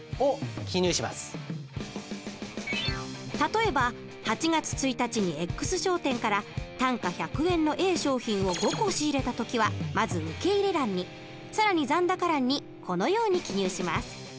例えば８月１日にＸ商店から単価１００円のＡ商品を５個仕入れた時はまず受入欄に更に残高欄にこのように記入します。